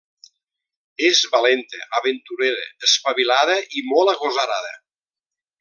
És valenta, aventurera, espavilada i molt agosarada.